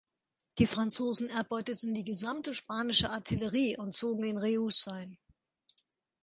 Die Franzosen erbeuteten die gesamte spanische Artillerie und zogen in Reus ein.